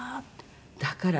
だから